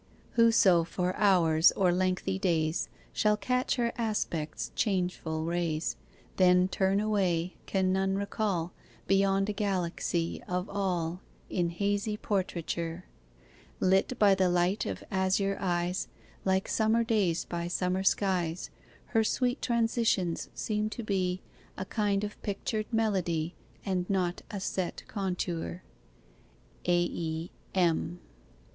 'Whoso for hours or lengthy days Shall catch her aspect's changeful rays, Then turn away, can none recall Beyond a galaxy of all In hazy portraiture; Lit by the light of azure eyes Like summer days by summer skies: Her sweet transitions seem to be A kind of pictured melody, And not a set contour. 'AE. M.